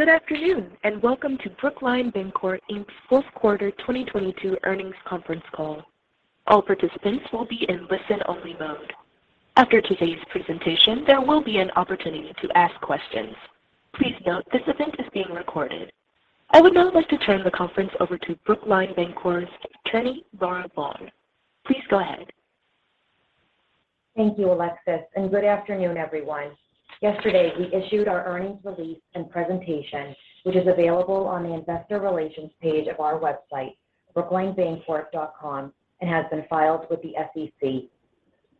Good afternoon. Welcome to Brookline Bancorp, Inc.'s Fourth Quarter 2022 Earnings Conference Call. All participants will be in listen-only mode. After today's presentation, there will be an opportunity to ask questions. Please note this event is being recorded. I would now like to turn the conference over to Brookline Bancorp's Attorney, Laura Vaughn. Please go ahead. Thank you, Alexis, and good afternoon, everyone. Yesterday, we issued our earnings release and presentation, which is available on the investor relations page of our website, brooklinebancorp.com, and has been filed with the SEC.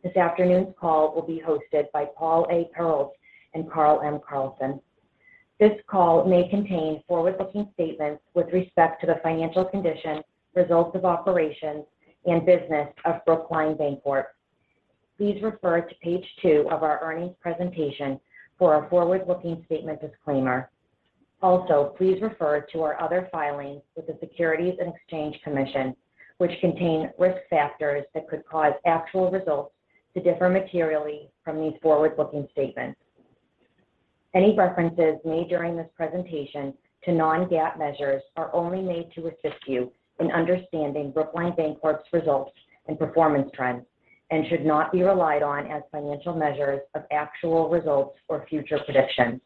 This afternoon's call will be hosted by Paul A. Perrault and Carl M. Carlson. This call may contain forward-looking statements with respect to the financial condition, results of operations, and business of Brookline Bancorp. Please refer to page two of our earnings presentation for our forward-looking statement disclaimer. Also, please refer to our other filings with the Securities and Exchange Commission, which contain risk factors that could cause actual results to differ materially from these forward-looking statements. Any references made during this presentation to non-GAAP measures are only made to assist you in understanding Brookline Bancorp's results and performance trends and should not be relied on as financial measures of actual results or future predictions.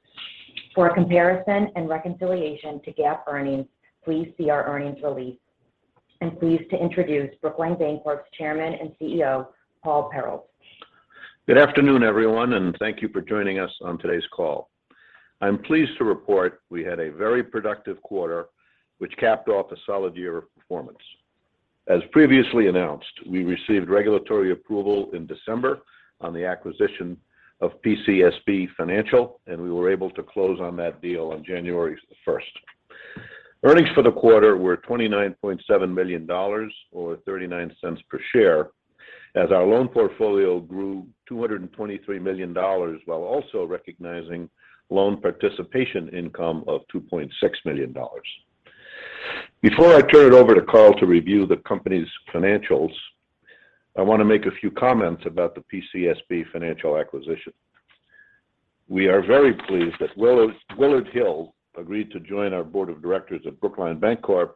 For a comparison and reconciliation to GAAP earnings, please see our earnings release. I'm pleased to introduce Brookline Bancorp's Chairman and CEO, Paul Perrault. Good afternoon, everyone. Thank you for joining us on today's call. I'm pleased to report we had a very productive quarter, which capped off a solid year of performance. As previously announced, we received regulatory approval in December on the acquisition of PCSB Financial, and we were able to close on that deal on January 1st. Earnings for the quarter were $29.7 million or $0.39 per share as our loan portfolio grew $223 million while also recognizing loan participation income of $2.6 million. Before I turn it over to Carl to review the company's financials, I want to make a few comments about the PCSB Financial acquisition. We are very pleased that Willard Hill agreed to join our board of directors at Brookline Bancorp,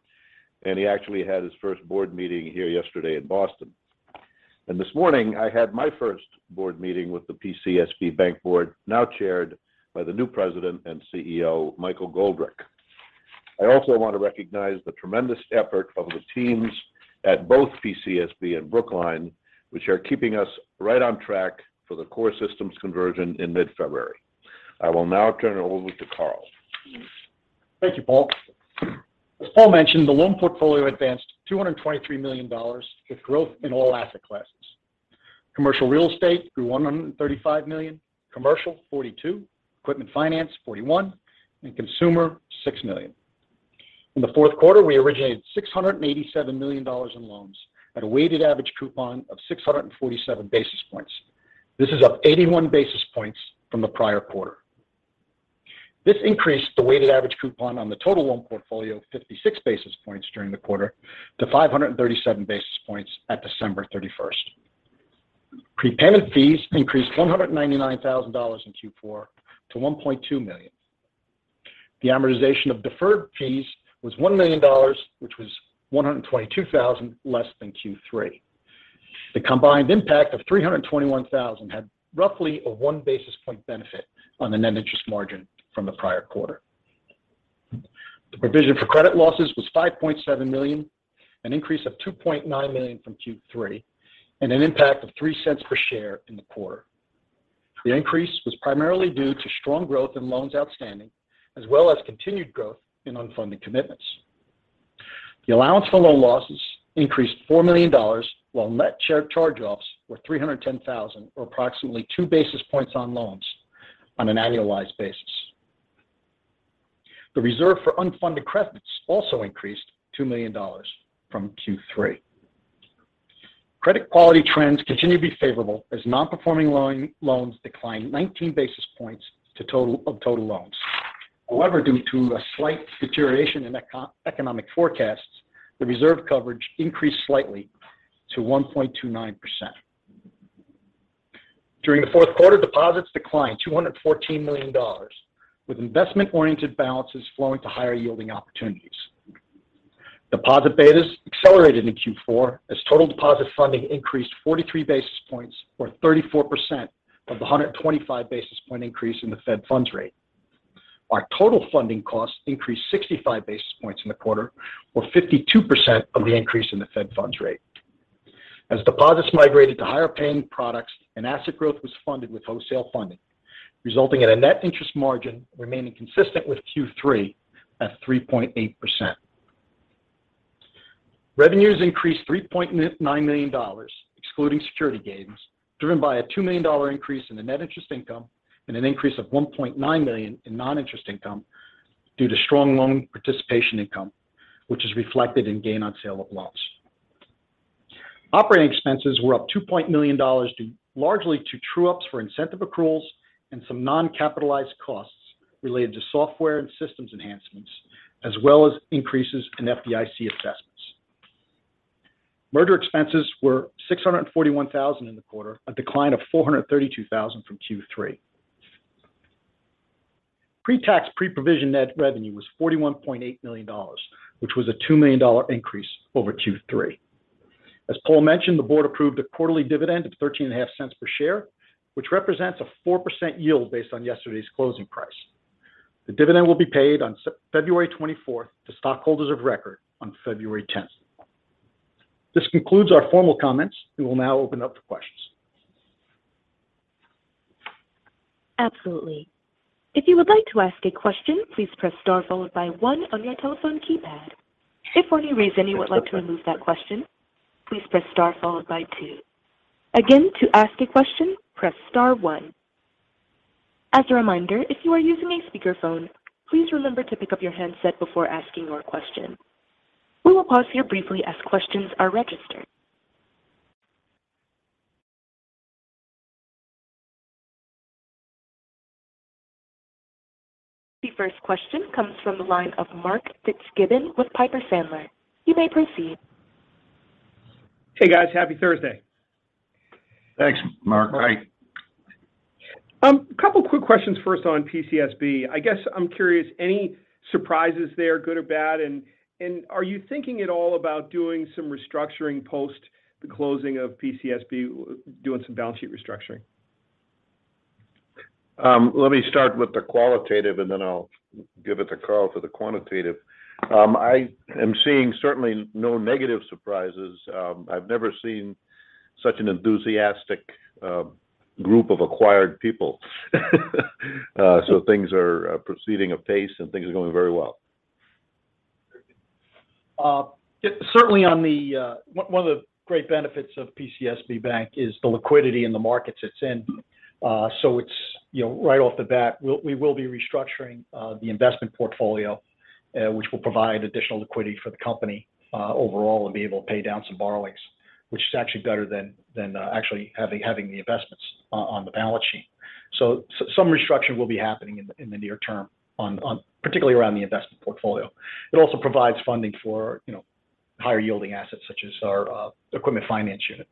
and he actually had his first board meeting here yesterday in Boston. This morning, I had my first board meeting with the PCSB Bank board, now chaired by the new President and CEO, Michael Goldrick. I also want to recognize the tremendous effort of the teams at both PCSB and Brookline, which are keeping us right on track for the core systems conversion in mid-February. I will now turn it over to Carl. Thank you, Paul. As Paul mentioned, the loan portfolio advanced $223 million with growth in all asset classes. Commercial real estate grew $135 million, commercial $42 million, equipment finance $41 million, consumer $6 million. In the fourth quarter, we originated $687 million in loans at a Weighted Average Coupon of 647 basis points. This is up 81 basis points from the prior quarter. This increased the Weighted Average Coupon on the total loan portfolio 56 basis points during the quarter to 537 basis points at December 31st. Prepaid fees increased $199,000 in Q4 to $1.2 million. The amortization of deferred fees was $1 million, which was $122,000 less than Q3. The combined impact of 321,000 had roughly a 1 basis point benefit on the net interest margin from the prior quarter. The provision for credit losses was $5.7 million, an increase of $2.9 million from Q3, and an impact of $0.03 per share in the quarter. The increase was primarily due to strong growth in loans outstanding, as well as continued growth in unfunded commitments. The allowance for loan losses increased $4 million, while net charge-offs were 310,000 or approximately 2 basis points on loans on an annualized basis. The reserve for unfunded credits also increased $2 million from Q3. Credit quality trends continue to be favorable as non-performing loans declined 19 basis points of total loans. Due to a slight deterioration in economic forecasts, the reserve coverage increased slightly to 1.29%. During the fourth quarter, deposits declined $214 million, with investment-oriented balances flowing to higher-yielding opportunities. Deposit betas accelerated in Q4 as total deposit funding increased 43 basis points or 34% of the 125 basis point increase in the fed funds rate. Our total funding costs increased 65 basis points in the quarter or 52% of the increase in the fed funds rate. As deposits migrated to higher paying products and asset growth was funded with wholesale funding, resulting in a net interest margin remaining consistent with Q3 at 3.8%. Revenues increased $3.9 million, excluding security gains, driven by a $2 million increase in the net interest income and an increase of $1.9 million in non-interest income due to strong loan participation income, which is reflected in gain on sale of loans. Operating expenses were up $2 million due largely to true ups for incentive accruals and some non-capitalized costs related to software and systems enhancements, as well as increases in FDIC assessments. Merger expenses were $641,000 in the quarter, a decline of $432,000 from Q3. Pre-tax, pre-provision net revenue was $41.8 million, which was a $2 million increase over Q3. As Paul mentioned, the board approved a quarterly dividend of 13.5 cents per share, which represents a 4% yield based on yesterday's closing price. The dividend will be paid on February 24th to stockholders of record on February 10th. This concludes our formal comments. We will now open up for questions. Absolutely. If you would like to ask a question, please press star followed by one on your telephone keypad. If for any reason you would like to remove that question, please press star followed by two. Again, to ask a question, press star one. As a reminder, if you are using a speakerphone, please remember to pick up your handset before asking your question. We will pause here briefly as questions are registered. The first question comes from the line of Mark Fitzgibbon with Piper Sandler. You may proceed. Hey, guys. Happy Thursday. Thanks, Mark. Hi. A couple of quick questions first on PCSB. I guess I'm curious, any surprises there, good or bad? Are you thinking at all about doing some restructuring post the closing of PCSB, doing some balance sheet restructuring? Let me start with the qualitative, and then I'll give it to Carl for the quantitative. I am seeing certainly no negative surprises. I've never seen such an enthusiastic group of acquired people. Things are proceeding apace, and things are going very well. Certainly on the one of the great benefits of PCSB Bank is the liquidity in the markets it's in. It's, you know, right off the bat, we will be restructuring the investment portfolio, which will provide additional liquidity for the company overall and be able to pay down some borrowings, which is actually better than actually having the investments on the balance sheet. Some restructuring will be happening in the near term particularly around the investment portfolio. It also provides funding for, you know, higher-yielding assets such as our equipment finance unit.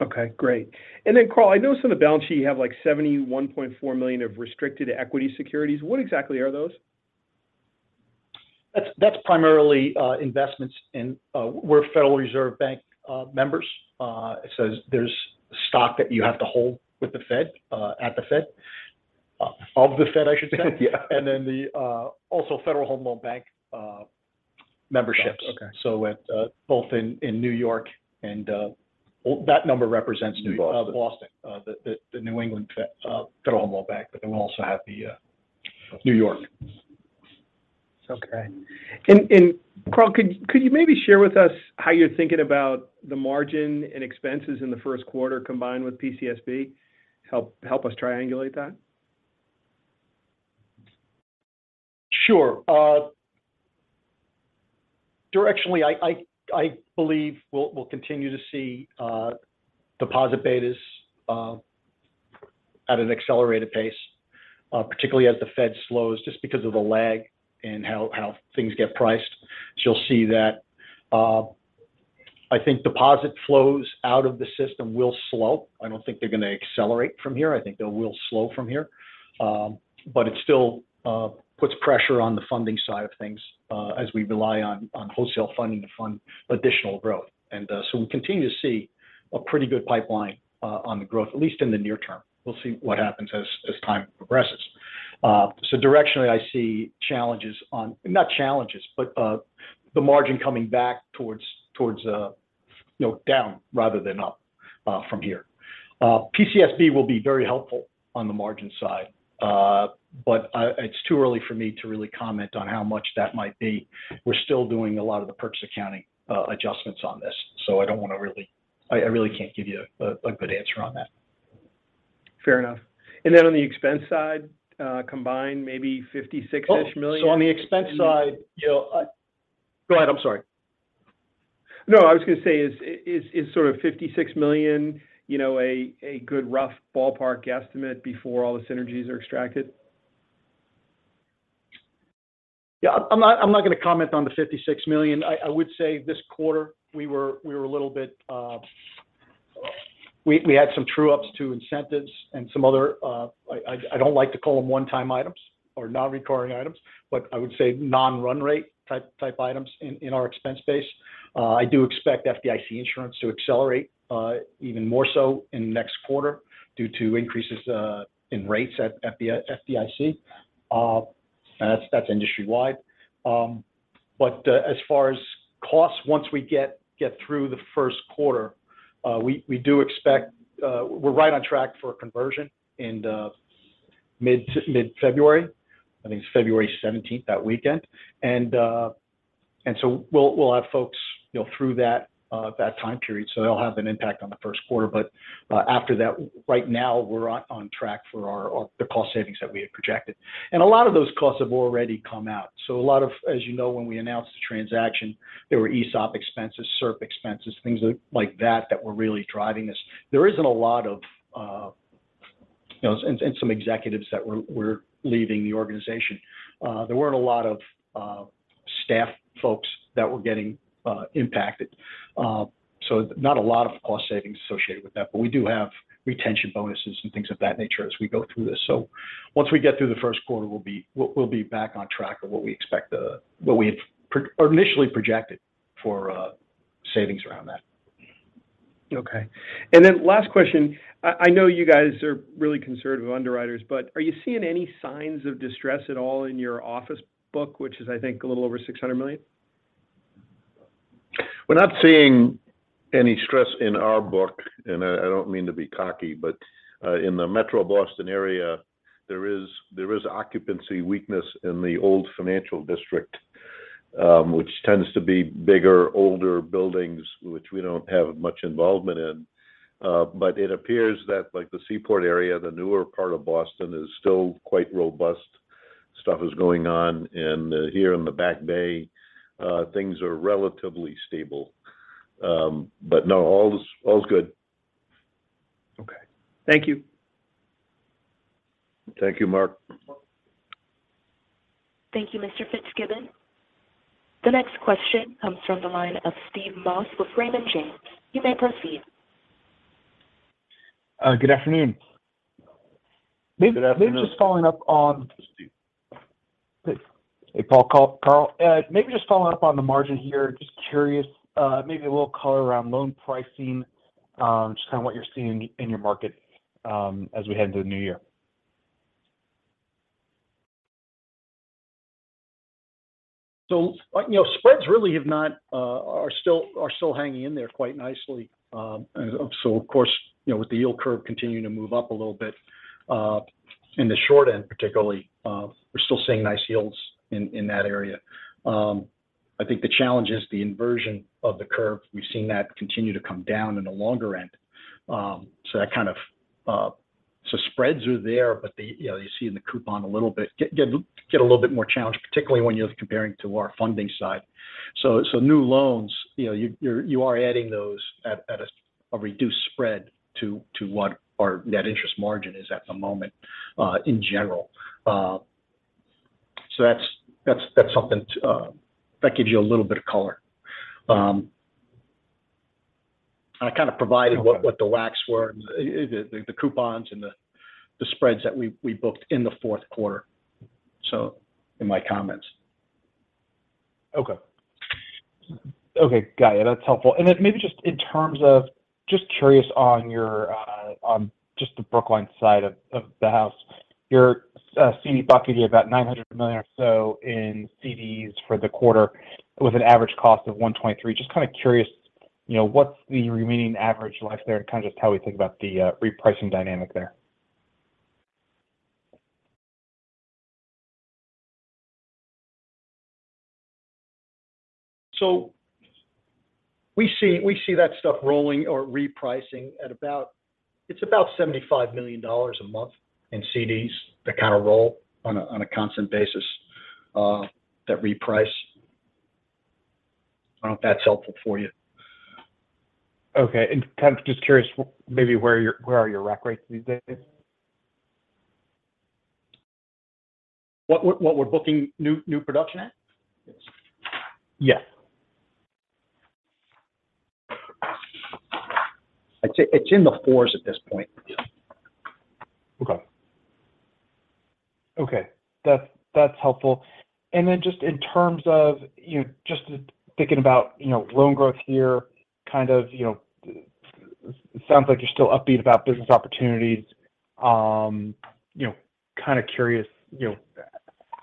Okay, great. Then, Carl, I noticed on the balance sheet you have, like, $71.4 million of restricted equity securities. What exactly are those? That's primarily investments in... We're Federal Reserve Bank members. There's stock that you have to hold with the Fed, at the Fed, of the Fed, I should say. Yeah. The also Federal Home Loan Banks memberships. Okay. At both in New York and that number represents New- Boston... Boston. The New England Federal Home Loan Banks. We also have the New York. Okay. Carl, could you maybe share with us how you're thinking about the margin and expenses in the first quarter combined with PCSB? Help us triangulate that. Sure. Directionally, I believe we'll continue to see deposit betas at an accelerated pace, particularly as the Fed slows, just because of the lag in how things get priced. You'll see that. I think deposit flows out of the system will slope. I don't think they're gonna accelerate from here. I think they will slow from here. It still puts pressure on the funding side of things as we rely on wholesale funding to fund additional growth. We continue to see a pretty good pipeline on the growth, at least in the near term. We'll see what happens as time progresses. Directionally I see challenges, not challenges, but the margin coming back towards, you know, down rather than up from here. PCSB will be very helpful on the margin side. It's too early for me to really comment on how much that might be. We're still doing a lot of the purchase accounting adjustments on this. I really can't give you a good answer on that. Fair enough. Then on the ,expense side, combined, maybe $56 million-ish- Oh, on the expense side, you know. Go ahead. I'm sorry. No, I was gonna say, is sort of $56 million, you know, a good rough ballpark estimate before all the synergies are extracted? Yeah. I'm not gonna comment on the $56 million. I would say this quarter we were a little bit, we had some true ups to incentives and some other, I don't like to call them one-time items or non-recurring items, but I would say non-run rate type items in our expense base. I do expect FDIC insurance to accelerate even more so in the next quarter due to increases in rates at FDIC. That's industry-wide. But as far as costs, once we get through the first quarter, we do expect. We're right on track for a conversion in mid- to mid-February. I think it's February 17th, that weekend. So we'll have folks, you know, through that time period. It'll have an impact on the first quarter. After that, right now we're on track for our, the cost savings that we had projected. A lot of those costs have already come out. A lot of, as you know, when we announced the transaction, there were ESOP expenses, SERP expenses, things like that that were really driving this. There isn't a lot of, you know, and some executives that were leaving the organization. There weren't a lot of staff folks that were getting impacted. Not a lot of cost savings associated with that. We do have retention bonuses and things of that nature as we go through this. Once we get through the first quarter, we'll be back on track of what we expect, what we had initially projected for savings around that. Okay. Last question. I know you guys are really conservative underwriters, are you seeing any signs of distress at all in your office book, which is, I think, a little over $600 million? We're not seeing any stress in our book. I don't mean to be cocky, but in the metro Boston area, there is occupancy weakness in the old financial district, which tends to be bigger, older buildings, which we don't have much involvement in. It appears that like the Seaport area, the newer part of Boston is still quite robust. Stuff is going on. Here in the Back Bay, things are relatively stable. No, all is good. Okay. Thank you. Thank you, Mark. Thank you, Mr. Fitzgibbon. The next question comes from the line of Steve Moss with Raymond James. You may proceed. Good afternoon. Good afternoon. Maybe just following up on-. Steve. Hey, Paul. Carl. Maybe just following up on the margin here. Just curious, maybe a little color around loan pricing, just kind of what you're seeing in your market, as we head into the new year. Like, you know, spreads really are still hanging in there quite nicely. Of course, you know, with the yield curve continuing to move up a little bit, in the short end particularly, we're still seeing nice yields in that area. I think the challenge is the inversion of the curve. We've seen that continue to come down in the longer end. That kind of. Spreads are there, but they, you know, you see in the coupon a little bit. Get a little bit more challenged, particularly when you're comparing to our funding side. New loans, you know, you're you are adding those at a reduced spread to what our net interest margin is at the moment, in general. That's something that gives you a little bit of color. I kind of provided what the WACs were, the coupons and the spreads that we booked in the fourth quarter in my comments. Okay. Okay. Got it. That's helpful. Then maybe just in terms of, just curious on your on just the Brookline side of the house. Your CD bucket had about $900 million or so in CDs for the quarter with an average cost of 1.23%. Just kind of curious, you know, what's the remaining average life there and kind of just how we think about the repricing dynamic there. We see that stuff rolling or repricing at about, it's about $75 million a month in CDs that kind of roll on a constant basis that reprice. I don't know if that's helpful for you. Okay. Kind of just curious maybe where are your rack rates these days? What we're booking new production at? Yes. It's in the fours at this point. Okay. Okay. That's helpful. Then just in terms of, you know, just thinking about, you know, loan growth here, kind of, you know, it sounds like you're still upbeat about business opportunities. You know, kind of curious, you know,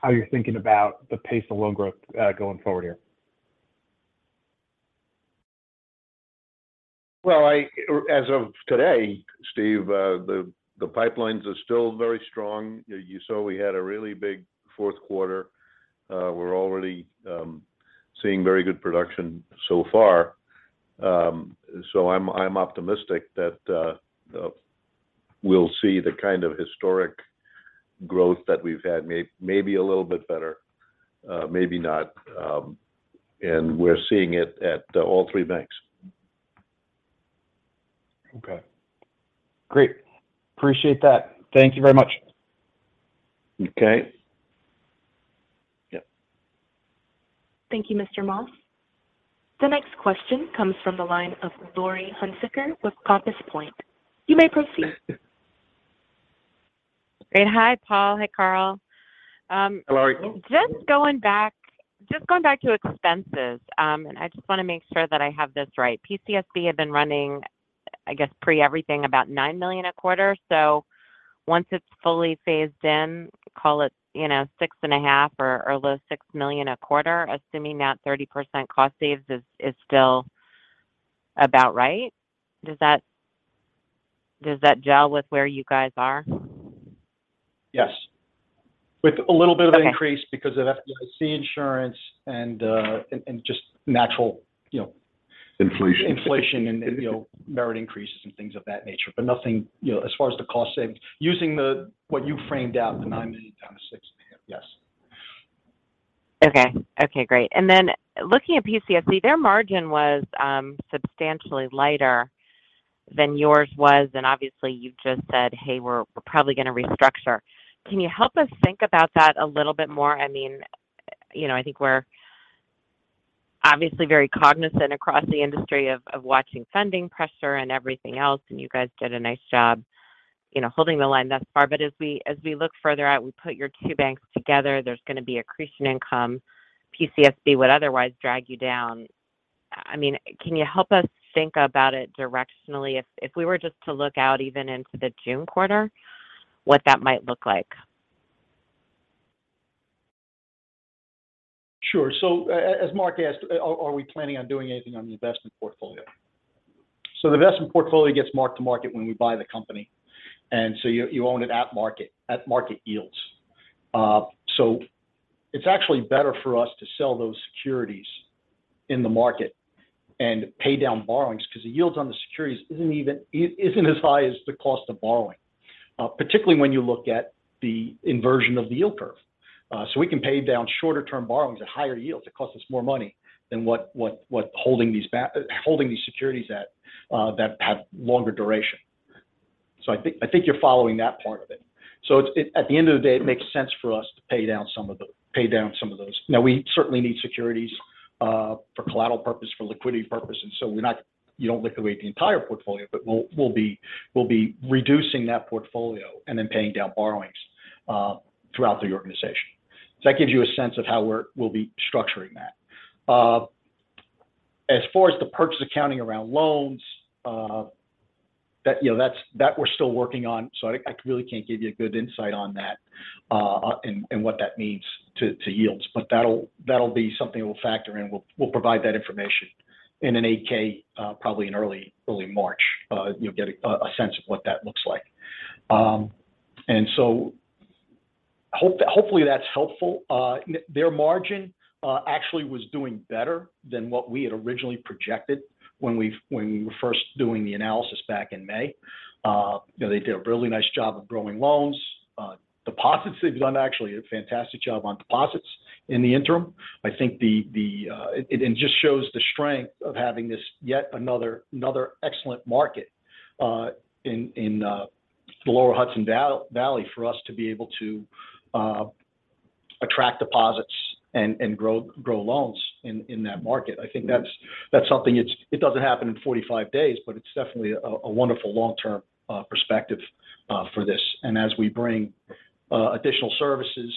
how you're thinking about the pace of loan growth going forward here. Well, I, as of today, Steve, the pipelines are still very strong. You know, you saw we had a really big fourth quarter. We're already seeing very good production so far. I'm optimistic that we'll see the kind of historic growth that we've had maybe a little bit better, maybe not. We're seeing it at all three banks. Okay. Great. Appreciate that. Thank you very much. Okay. Yep. Thank you, Mr. Moss. The next question comes from the line of Laurie Hunsicker with Compass Point. You may proceed. Great. Hi, Paul. Hi, Carl. Hello, Laurie. Just going back to expenses, I just want to make sure that I have this right. PCSB had been running, I guess, pre-everything about $9 million a quarter. Once it's fully phased in, call it, you know, $6.5 million or a little $6 million a quarter, assuming that 30% cost saves is still about right. Does that gel with where you guys are? Yes. Okay Of an increase because of FDIC insurance and just natural, you know. Inflation... inflation and, you know, merit increases and things of that nature. Nothing, you know, as far as the cost savings. Using the, what you framed out, the $9 million down to $6.5 million. Yes. Okay. Okay, great. Then looking at PCSB, their margin was substantially lighter than yours was, and obviously you've just said, "Hey, we're probably gonna restructure." Can you help us think about that a little bit more? I mean, you know, I think we're obviously very cognizant across the industry of watching funding pressure and everything else, and you guys did a nice job, you know, holding the line thus far. As we look further out, we put your two banks together, there's gonna be accretion income PCSB would otherwise drag you down. I mean, can you help us think about it directionally if we were just to look out even into the June quarter, what that might look like? Sure. As Mark asked, are we planning on doing anything on the investment portfolio? The investment portfolio gets marked to market when we buy the company. You own it at market, at market yields. It's actually better for us to sell those securities in the market and pay down borrowings because the yields on the securities isn't as high as the cost of borrowing, particularly when you look at the inversion of the yield curve. We can pay down shorter term borrowings at higher yields. It costs us more money than what holding these securities that have longer duration. I think you're following that part of it. At the end of the day, it makes sense for us to pay down some of pay down some of those. Now we certainly need securities for collateral purpose, for liquidity purpose, and you don't liquidate the entire portfolio, but we'll be reducing that portfolio and then paying down borrowings throughout the organization. That gives you a sense of how we'll be structuring that. As far as the purchase accounting around loans, that, you know, that we're still working on, so I really can't give you a good insight on that, and what that means to yields. That'll, that'll be something we'll factor in. We'll provide that information in an 8-K, probably in early March. You'll get a sense of what that looks like. Hopefully that's helpful. Their margin actually was doing better than what we had originally projected when we were first doing the analysis back in May. You know, they did a really nice job of growing loans. Deposits, they've done actually a fantastic job on deposits in the interim. I think it just shows the strength of having this yet another excellent market in the Lower Hudson Valley for us to be able to attract deposits and grow loans in that market. I think that's something it doesn't happen in 45 days, but it's definitely a wonderful long-term perspective for this. As we bring additional services,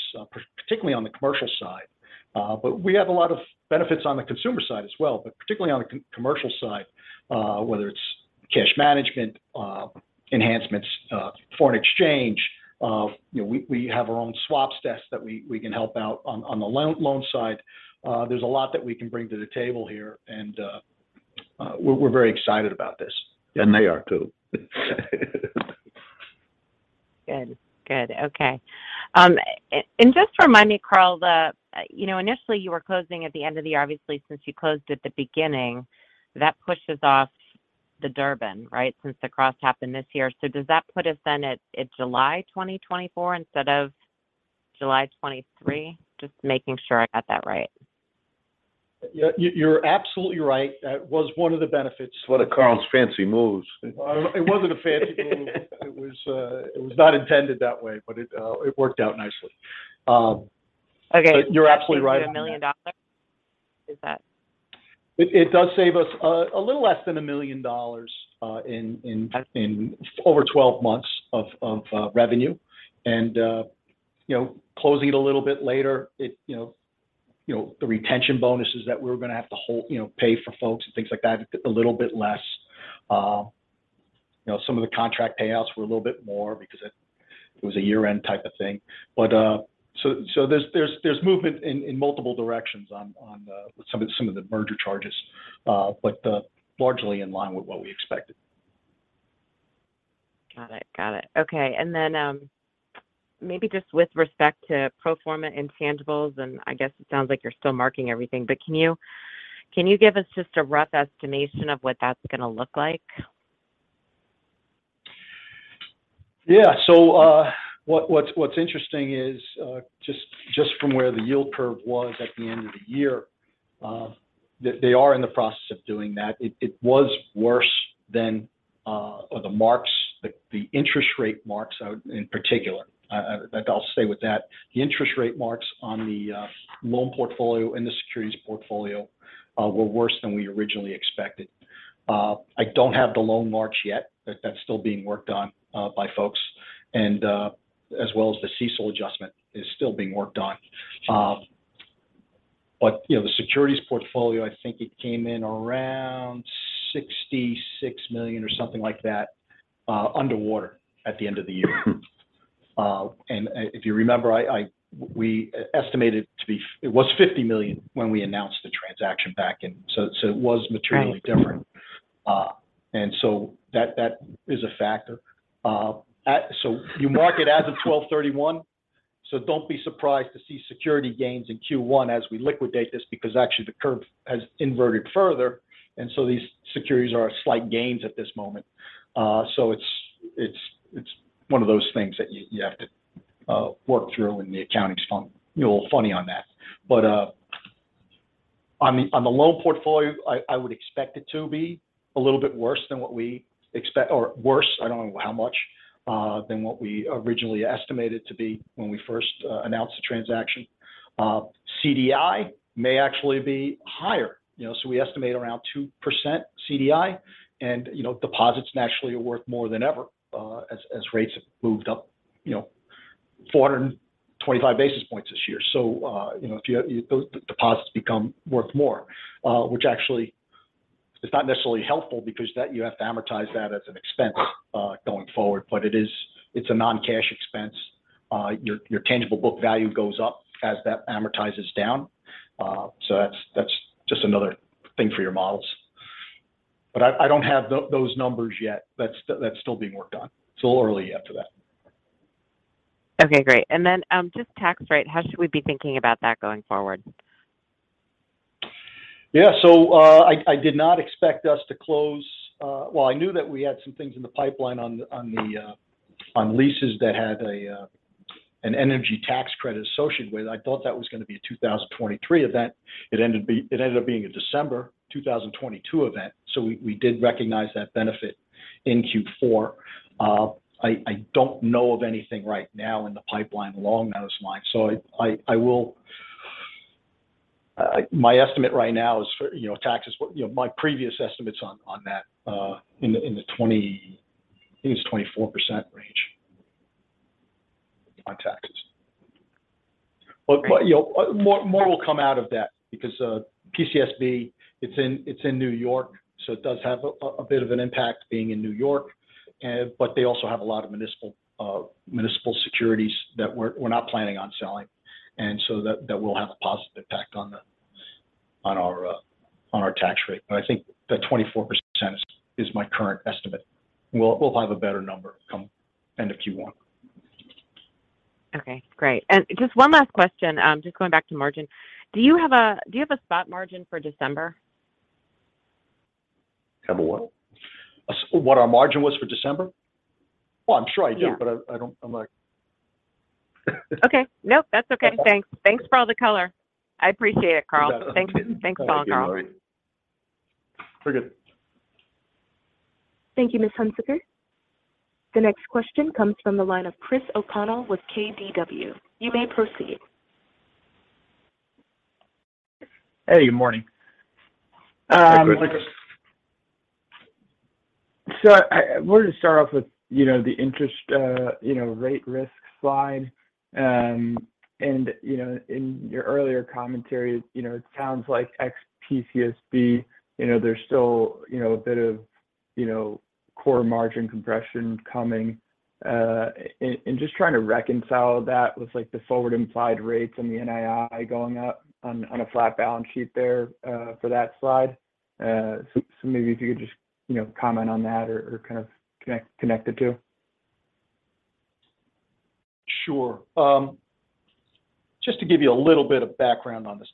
particularly on the commercial side, but we have a lot of benefits on the consumer side as well. Particularly on the commercial side, whether it's cash management, enhancements, foreign exchange, you know, we have our own swaps desk that we can help out on the loan side. There's a lot that we can bring to the table here, we're very excited about this. They are too. Good. Okay. And just remind me, Carl, you know, initially you were closing at the end of the year. Obviously, since you closed at the beginning, that pushes off the Durbin, right? Since the cross happened this year. Does that put us then at July 2024 instead of July 2023? Just making sure I got that right. Yeah, you're absolutely right. That was one of the benefits. One of Carl's fancy moves. Well, it wasn't a fancy move. It was not intended that way, but it worked out nicely. Okay. You're absolutely right on that. That saves you $1 million? Is that- It does save us a little less than $1 million in over 12 months of revenue. You know, closing it a little bit later, the retention bonuses that we're gonna have to pay for folks and things like that, a little bit less. You know, some of the contract payouts were a little bit more because it was a year-end type of thing. There's movement in multiple directions on some of the merger charges. Largely in line with what we expected. Got it. Got it. Okay. Maybe just with respect to pro forma intangibles, and I guess it sounds like you're still marking everything, but can you give us just a rough estimation of what that's gonna look like? Yeah. What's interesting is, just from where the yield curve was at the end of the year, they are in the process of doing that. It was worse than the marks, the interest rate marks out in particular. Like I'll stay with that. The interest rate marks on the loan portfolio and the securities portfolio were worse than we originally expected. I don't have the loan marks yet. That's still being worked on by folks. As well as the CECL adjustment is still being worked on. You know, the securities portfolio, I think it came in around $66 million or something like that, underwater at the end of the year. If you remember, we estimated it was $50 million when we announced the transaction back in... It was materially different. That is a factor. You mark it as of 12/31, so don't be surprised to see security gains in Q1 as we liquidate this because actually the curve has inverted further. These securities are slight gains at this moment. It's one of those things that you have to work through, and the accounting's fun, you know, funny on that. On the loan portfolio, I would expect it to be a little bit worse than what we expect or worse, I don't know how much, than what we originally estimated to be when we first announced the transaction. CDI may actually be higher. You know, we estimate around 2% CDI, and, you know, deposits naturally are worth more than ever, as rates have moved up, you know, 425 basis points this year. You know, if those deposits become worth more, which actually is not necessarily helpful because you have to amortize that as an expense going forward. It's a non-cash expense. Your tangible book value goes up as that amortizes down. That's just another thing for your models. I don't have those numbers yet. That's still being worked on. It's a little early yet for that. Okay, great. Just tax rate, how should we be thinking about that going forward? Yeah. I did not expect us to close. Well, I knew that we had some things in the pipeline on leases that had an energy tax credit associated with it. I thought that was gonna be a 2023 event. It ended up being a December 2022 event. We did recognize that benefit in Q4. I don't know of anything right now in the pipeline along those lines. I will. My estimate right now is for, you know, taxes. You know, my previous estimates on that, I think it's 24% range on taxes. You know, more will come out of that because PCSB, it's in New York, so it does have a bit of an impact being in New York. They also have a lot of municipal securities that we're not planning on selling, and so that will have a positive impact on our tax rate. I think that 24% is my current estimate. We'll have a better number come end of Q1. Okay, great. Just one last question, just going back to margin. Do you have a spot margin for December? Have a what? What our margin was for December? Well, I'm sure I do. Yeah. I'm like... Okay. Nope, that's okay. Thanks. Thanks for all the color. I appreciate it, Carl. Yeah. Thank you. Thanks a lot, Carl. We're good. Thank you, Ms. Hunsicker. The next question comes from the line of Chris O'Connell with KBW. You may proceed. Hey, good morning. Hey, Chris. I wanted to start off with, you know, the interest, you know, rate risk slide. In your earlier commentary, you know, it sounds like ex-PCSB, you know, there's still, you know, a bit of, you know, core margin compression coming. And just trying to reconcile that with like the forward implied rates and the NII going up on a flat balance sheet there for that slide. So maybe if you could just, you know, comment on that or kind of connect the two. Sure. Just to give you a little bit of background on this.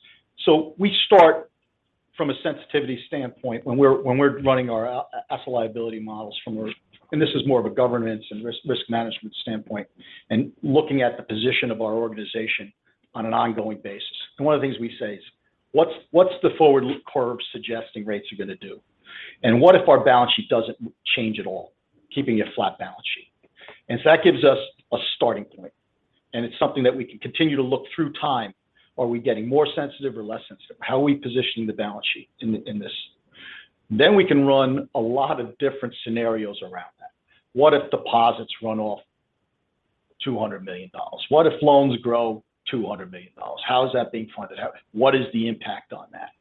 We start from a sensitivity standpoint when we're running our asset liability models and this is more of a governance and risk management standpoint, and looking at the position of our organization on an ongoing basis. One of the things we say is, "What's the forward curve suggesting rates are gonna do? What if our balance sheet doesn't change at all, keeping a flat balance sheet?" That gives us a starting point, and it's something that we can continue to look through time. Are we getting more sensitive or less sensitive? How are we positioning the balance sheet in this? We can run a lot of different scenarios around that. What if deposits run off $200 million? What if loans grow $200 million? How is that being funded? What is the impact on that?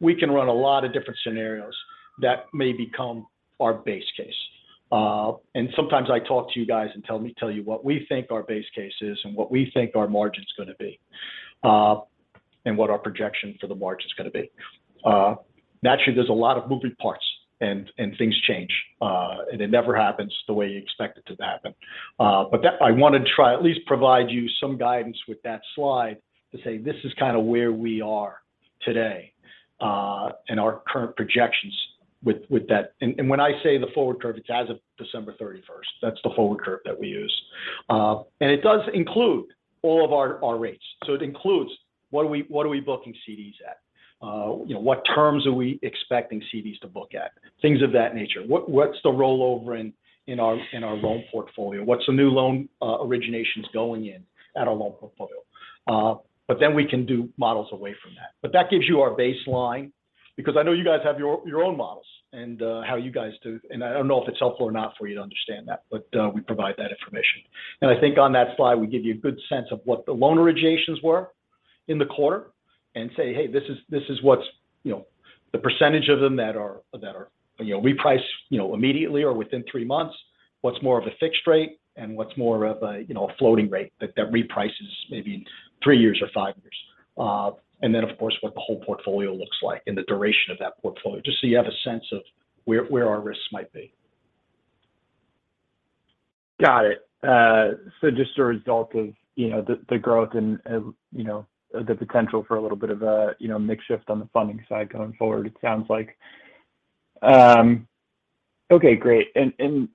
We can run a lot of different scenarios that may become our base case. Sometimes I talk to you guys and tell you what we think our base case is and what we think our margin's gonna be and what our projection for the margin's gonna be. Naturally, there's a lot of moving parts and things change and it never happens the way you expect it to happen. I want to try at least provide you some guidance with that slide to say, this is kind of where we are today and our current projections with that. When I say the forward curve, it's as of December 31st. That's the forward curve that we use. It does include all of our rates. It includes what are we booking CDs at? you know, what terms are we expecting CDs to book at? Things of that nature. What's the rollover in our loan portfolio? What's the new loan originations going in at our loan portfolio? We can do models away from that. That gives you our baseline because I know you guys have your own models and how you guys do. I don't know if it's helpful or not for you to understand that, but we provide that information. I think on that slide, we give you a good sense of what the loan originations were in the quarter and say, "Hey, this is what's, you know, the percentage of them that are, you know, reprice, you know, immediately or within three months. What's more of a fixed rate, and what's more of a, you know, a floating rate that reprices maybe three years or five years?" Then of course, what the whole portfolio looks like and the duration of that portfolio, just so you have a sense of where our risks might be. Got it. Just a result of, you know, the growth and, you know, the potential for a little bit of a, you know, mix shift on the funding side going forward, it sounds like. Okay, great. And,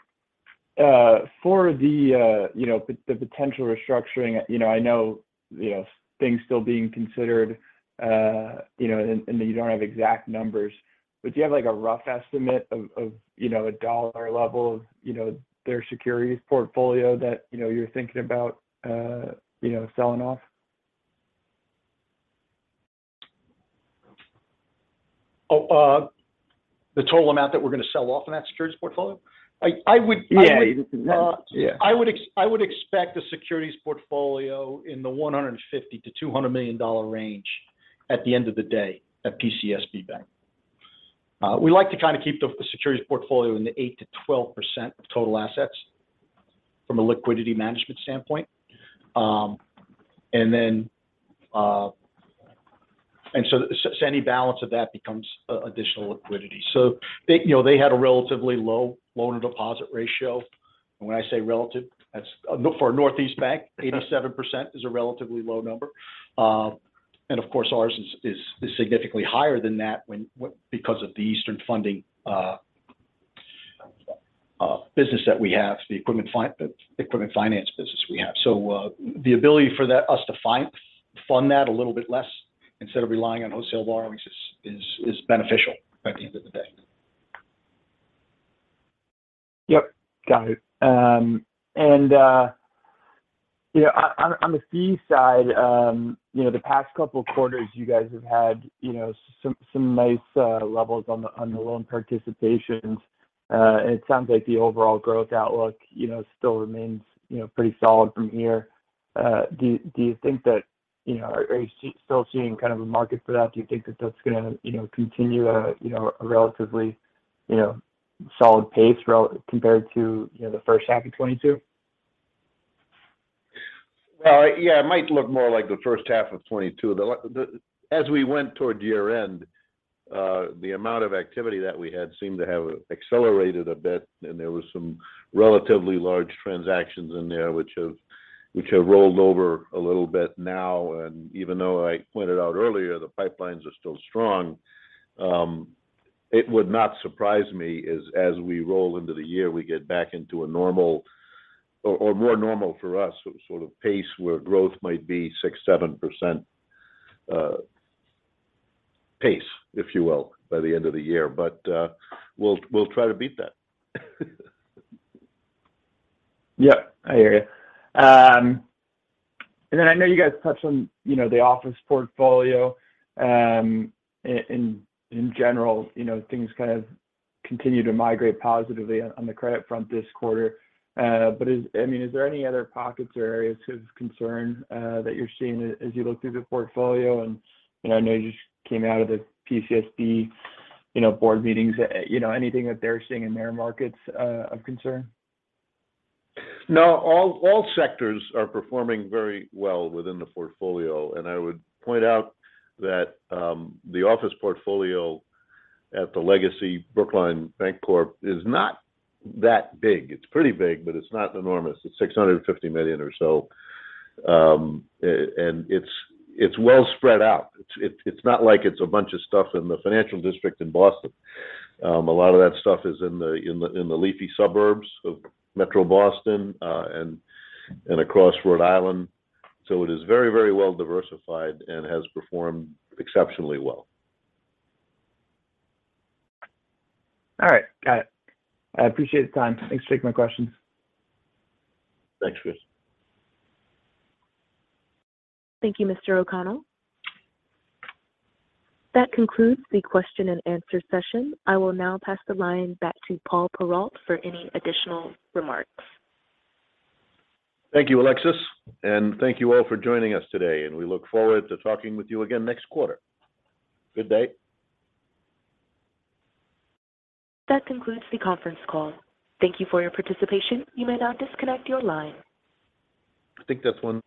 for the, you know, the potential restructuring, you know, I know, you know, things still being considered, you know, and that you don't have exact numbers. Do you have like a rough estimate of, you know, a dollar level of, you know, their securities portfolio that, you know, you're thinking about, you know, selling off? The total amount that we're gonna sell off in that securities portfolio? I would. Yeah. Uh. Yeah. I would expect the securities portfolio in the $150 million-$200 million range at the end of the day at PCSB Bank. We like to kind of keep the securities portfolio in the 8%-12% of total assets from a liquidity management standpoint. And then any balance of that becomes additional liquidity. They, you know, they had a relatively low loan-to-deposit ratio. When I say relative, that's for a northeast bank, 87% is a relatively low number. Of course, ours is significantly higher than that when because of the Eastern Funding business that we have, the equipment finance business we have. The ability for us to fund that a little bit less instead of relying on wholesale borrowings is beneficial at the end of the day. Yep. Got it. You know, on the fee side, you know, the past couple of quarters, you guys have had, you know, some nice levels on the loan participations. It sounds like the overall growth outlook, you know, still remains, you know, pretty solid from here. Do you think that, you know, are you still seeing kind of a market for that? Do you think that that's gonna, you know, continue at a, you know, a relatively, you know, solid pace compared to, you know, the first half of 2022? Well, yeah, it might look more like the first half of 2022. As we went toward year-end, the amount of activity that we had seemed to have accelerated a bit, and there was some relatively large transactions in there which have rolled over a little bit now. Even though I pointed out earlier, the pipelines are still strong. It would not surprise me as we roll into the year, we get back into a normal or more normal for us sort of pace where growth might be 6%-7%, pace, if you will, by the end of the year. We'll try to beat that. Yeah. I hear you. I know you guys touched on, you know, the office portfolio. In general, you know, things kind of continue to migrate positively on the credit front this quarter. I mean, is there any other pockets or areas of concern that you're seeing as you look through the portfolio? You know, I know you just came out of the PCSB, you know, board meetings. You know, anything that they're seeing in their markets of concern? No. All sectors are performing very well within the portfolio. I would point out that the office portfolio at the legacy Brookline Bancorp is not that big. It's pretty big, but it's not enormous. It's $650 million or so. It's well spread out. It's not like it's a bunch of stuff in the financial district in Boston. A lot of that stuff is in the leafy suburbs of metro Boston and across Rhode Island. It is very, very well diversified and has performed exceptionally well. All right. Got it. I appreciate the time. Thanks for taking my questions. Thanks, Chris. Thank you, Mr. O'Connell. That concludes the question-and-answer session. I will now pass the line back to Paul Perrault for any additional remarks. Thank you, Alexis, and thank you all for joining us today, and we look forward to talking with you again next quarter. Good day. That concludes the conference call. Thank you for your participation. You may now disconnect your line. I think that's one.